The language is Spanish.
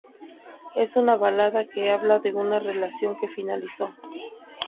Es una balada que habla de una relación que finalizó.